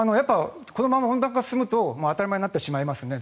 このまま温暖化が進むと当たり前になってしまいますね。